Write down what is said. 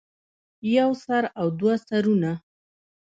يو سر او دوه سرونه